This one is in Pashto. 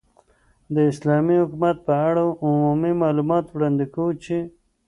، داسلامې حكومت په اړه عمومي معلومات وړاندي كوو چې